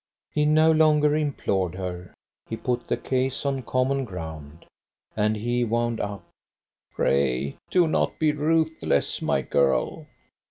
He no longer implored her; he put the case on common ground. And he wound up: "Pray do not be ruthless, my girl."